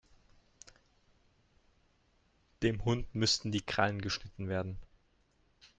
Dem Hund müssten die Krallen geschnitten werden.